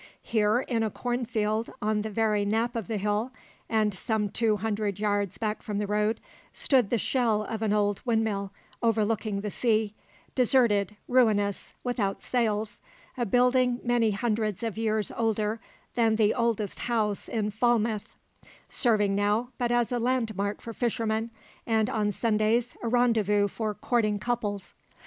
Here, in a cornfield on the very knap of the hill, and some two hundred yards back from the road, stood the shell of an old windmill, overlooking the sea deserted, ruinous, without sails, a building many hundreds of years older than the oldest house in Falmouth, serving now but as a landmark for fishermen, and on Sundays a rendezvous for courting couples.